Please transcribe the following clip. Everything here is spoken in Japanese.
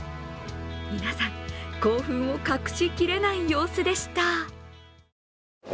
皆さん、興奮を隠しきれない様子でした。